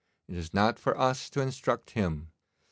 It is not for us to instruct Him.